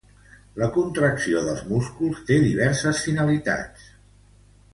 La contracció dels músculs té diverses finalitats.